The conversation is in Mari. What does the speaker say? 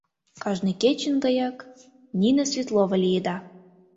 Кажне кечын гаяк Нина Светлова лиеда.